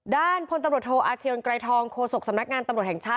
ด้านพลตำรวจโทอาเชียงไกรทองโฆษกสำนักงานตำรวจแห่งชาติ